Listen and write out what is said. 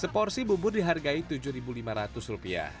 seporsi bubur dihargai tujuh ribu lima ratus rupiah